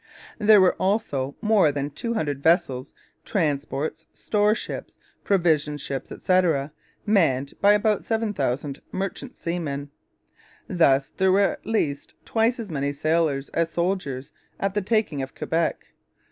There were also more than 200 vessels transports, store ships, provision ships, etc. manned by about 7,000 merchant seamen. Thus there were at least twice as many sailors as soldiers at the taking of Quebec.